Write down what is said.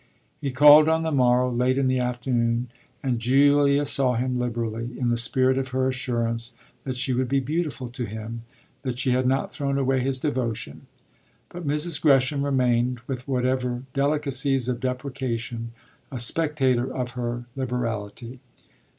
He called on the morrow, late in the afternoon, and Julia saw him liberally, in the spirit of her assurance that she would be "beautiful" to him, that she had not thrown away his devotion; but Mrs. Gresham remained, with whatever delicacies of deprecation, a spectator of her liberality.